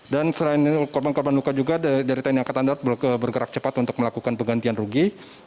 dan selain korban korban luka juga dari tni angkatan darat bergerak cepat untuk melakukan penggantian rugi